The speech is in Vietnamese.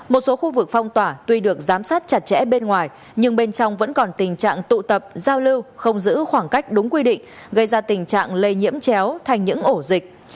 một số khu vực phong tỏa tuy được giám sát chặt chẽ bên ngoài nhưng bên trong vẫn còn tình trạng tụ tập giao lưu không giữ khoảng cách đúng quy định gây ra tình trạng lây nhiễm chéo thành những ổ dịch